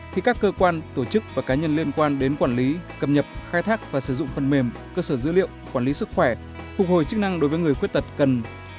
thì các cơ quan tổ chức và cá nhân liên quan đến quản lý cập nhập khai thác và sử dụng phần mềm cơ sở dữ liệu quản lý sức khỏe phục hồi chức năng đối với người khuyết tật cần